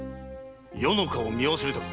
余の顔を見忘れたか？